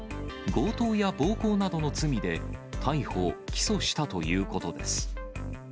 強盗や暴行などの罪で、逮捕・起訴したということです。